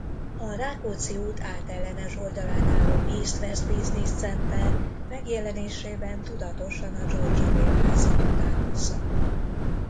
A Rákóczi út átellenes oldalán álló East-West Business Center megjelenésében tudatosan a Georgia-bérházat utánozza.